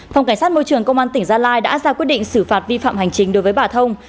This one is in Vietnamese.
phòng cảnh sát môi trường công an tỉnh gia lai đã ra quyết định xử phạt vi phạm hành chính đối với bà thông